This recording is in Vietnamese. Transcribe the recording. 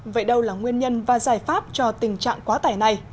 vậy đâu là nguyên nhân và giải pháp cho tình trạng quá tải này